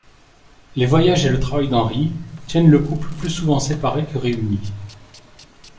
Les voyages et le travail d’Henry tiennent le couple plus souvent séparé que réuni.